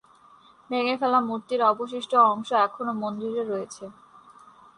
ভেঙে ফেলা মূর্তির অবশিষ্ট অংশ এখনও মন্দিরে রয়েছে।